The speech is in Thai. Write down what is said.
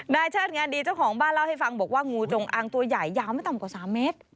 เชิดงานดีเจ้าของบ้านเล่าให้ฟังบอกว่างูจงอางตัวใหญ่ยาวไม่ต่ำกว่า๓เมตร